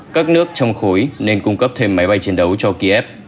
các nước trong khối nên cung cấp thêm máy bay chiến đấu cho kiev